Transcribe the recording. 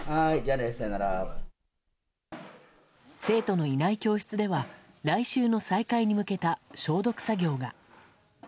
生徒のいない教室では来週の再開に向けた消毒作業が。